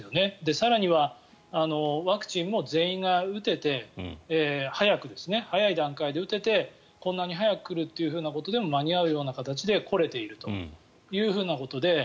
更には、ワクチンも全員が打てて早い段階で打ててこんなに早く来るということでも間に合うような形で来れているということで。